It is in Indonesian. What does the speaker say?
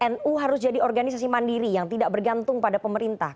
nu harus jadi organisasi mandiri yang tidak bergantung pada pemerintah